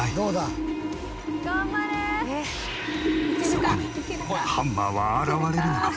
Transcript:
そこにハンマーは現れるのか？